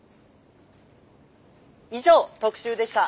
「以上特集でした」。